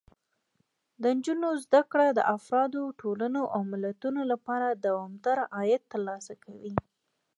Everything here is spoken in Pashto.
د نجونو زده کړه د افرادو، ټولنو او ملتونو لپاره دوامداره عاید ترلاسه کوي.